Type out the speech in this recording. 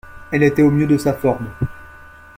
Elle était au mieux de sa forme.